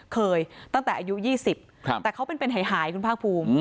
เคยตั้งแต่อายุ๒๐แต่เขาเป็นหายคุณภาคภูมิ